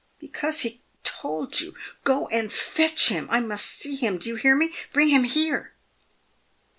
" Because he told you. Gk> and fetch him. I must see him. Do you hear me ? Bring him here."